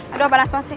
aduh apaan asmat sih